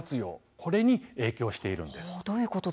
これに影響しているんです。